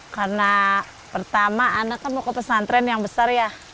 karena pertama anak kan mau ke pesantren yang besar ya